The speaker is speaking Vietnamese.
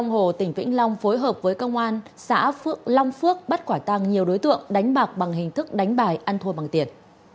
công an hồ tỉnh vĩnh long phối hợp với công an xã phước long phước bắt quả tăng nhiều đối tượng đánh bạc bằng hình thức đánh bài ăn thua bằng tiền